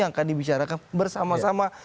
akan dibicarakan bersama sama